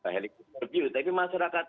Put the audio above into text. helikopter view tapi masyarakat